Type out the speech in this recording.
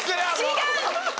違う！